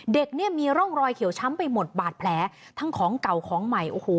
เด็กเนี่ยมีร่องรอยเขียวช้ำไปหมดบาดแผลทั้งของเก่าของใหม่โอ้โห